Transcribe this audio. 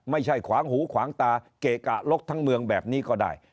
ขวางหูขวางตาเกะกะลกทั้งเมืองแบบนี้ก็ได้